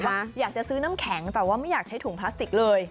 อยากจะซื้อน้ำแข็งแต่ว่าไม่อยากใช้ถุงพลาสติกเลย